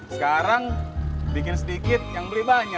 sekarang bikin sedikit yang beli banyak